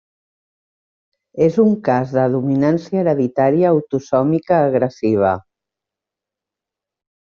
És un cas de dominància hereditària autosòmica agressiva.